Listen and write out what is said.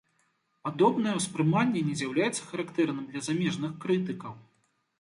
Падобнае ўспрыманне не з'яўляецца характэрным для замежных крытыкаў.